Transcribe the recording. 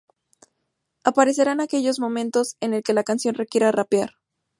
Aparecerá en aquellos momentos en el que la canción requiera rapear.